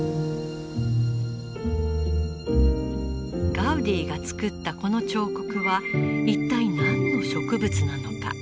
ガウディが作ったこの彫刻は一体何の植物なのか。